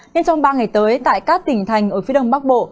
nên trong ba ngày tới tại các tỉnh thành ở phía đông bắc bộ